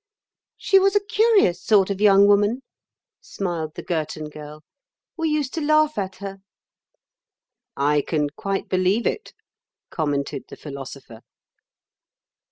"She was a curious sort of young woman," smiled the Girton Girl; "we used to laugh at her." "I can quite believe it," commented the Philosopher.